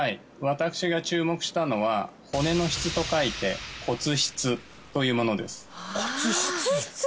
私が注目したのは「骨」の「質」と書いて骨質というものです骨質？